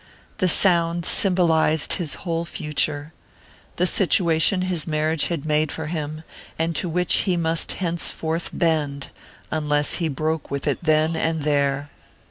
The sound symbolized his whole future...the situation his marriage had made for him, and to which he must henceforth bend, unless he broke with it then and there....